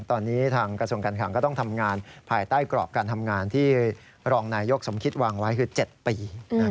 ตอนนี้ทางกระทรวงการคังก็ต้องทำงานภายใต้กรอบการทำงานที่รองนายยกสมคิดวางไว้คือ๗ปี